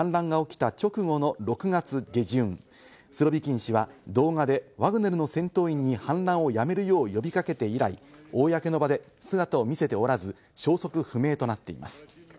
ワグネルの反乱が起きた直後の６月下旬、スロビキン氏は動画でワグネルの戦闘員に反乱をやめるよう呼び掛けて以来、公の場で姿を見せておらず、消息不明となっています。